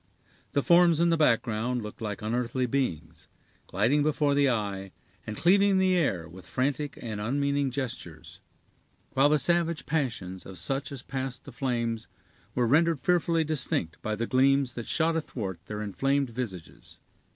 The forms in the background looked like unearthly beings, gliding before the eye, and cleaving the air with frantic and unmeaning gestures; while the savage passions of such as passed the flames were rendered fearfully distinct by the gleams that shot athwart their inflamed visages.